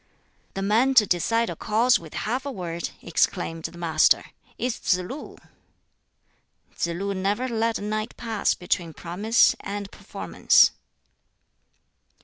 "The man to decide a cause with half a word," exclaimed the Master, "is Tsz lu!" Tsz lu never let a night pass between promise and performance.